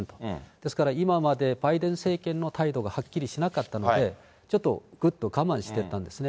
ですから、今までバイデン政権の態度がはっきりしなかったので、ちょっとぐっと我慢してたんですね。